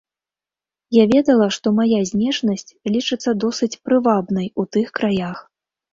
Я ведала, што мая знешнасць лічыцца досыць прывабнай у тых краях.